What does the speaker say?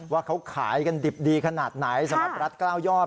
ว่าเขาขายกันดิบดีขนาดไหนสำหรับรัฐ๙ยอด